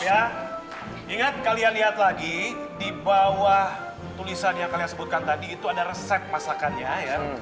ya ingat kalian lihat lagi di bawah tulisan yang kalian sebutkan tadi itu ada resep masakannya ya